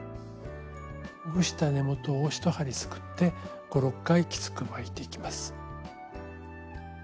ほぐした根元を１針すくって５６回きつく巻いていきます。